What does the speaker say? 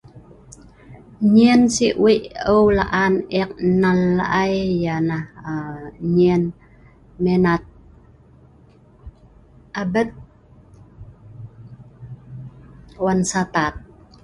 Nyen si wei' eu la'an ek nal ai, ianah aaa nyen minat abet wan satad.